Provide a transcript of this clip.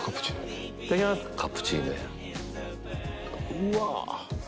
うわ！